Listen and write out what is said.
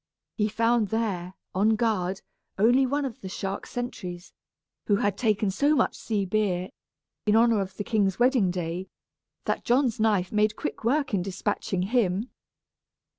He found there, on guard, only one of the shark sentries, who had taken so much sea beer, in honor of the king's wedding day, that John's knife made quick work in despatching him.